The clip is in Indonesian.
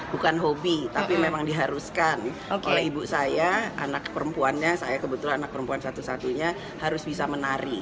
bukan hobi tapi memang diharuskan oleh ibu saya anak perempuannya saya kebetulan anak perempuan satu satunya harus bisa menari